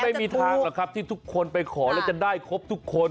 ไม่มีทางหรอกครับที่ทุกคนไปขอแล้วจะได้ครบทุกคน